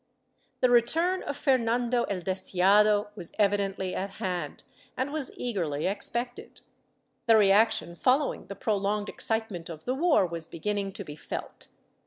The return of Fernando el Deseado was evidently at hand and was eagerly expected. The reaction following the prolonged excitement of the war was beginning to be felt.